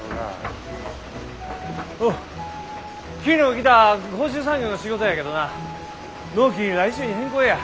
おう昨日来た高秀産業の仕事やけどな納期来週に変更や。